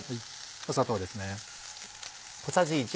砂糖ですね。